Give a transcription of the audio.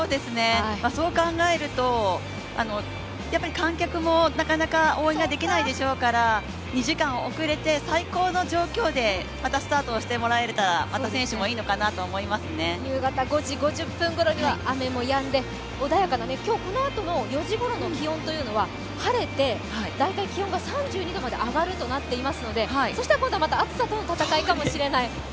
そう考えるとやっぱり観客もなかなか応援ができないでしょうから２時間遅れて最高の状況でまたスタートしてもらえたら夕方５時５０分ごろには雨もやんで、穏やかな今日、このあとも４時ごろの気温は晴れて大体気温が３２度まで上がるとなっていますのでそしたら今度はまた暑さとの戦いかもしれない。